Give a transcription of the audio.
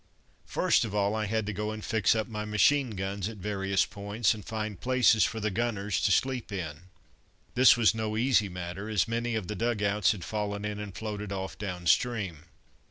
First of all I had to go and fix up my machine guns at various points, and find places for the gunners to sleep in. This was no easy matter, as many of the dug outs had fallen in and floated off down stream.